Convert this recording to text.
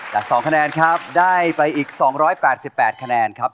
แต่๒คะแนนครับได้ไปอีก๒๘๘คะแนนครับ